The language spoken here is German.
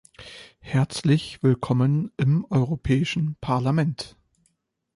Herzlich willkommen im Europäischen Parlament.